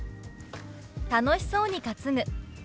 「楽しそうに担ぐ」。